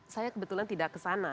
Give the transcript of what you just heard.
saya kebetulan tidak ke sana